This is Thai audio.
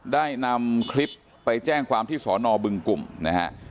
ได้นำคลิปไปแจ้งความที่สอนอบึงกลุ่มนะฮะ